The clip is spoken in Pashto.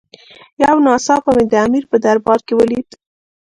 یو ناڅاپه مې د امیر په دربار کې ولید.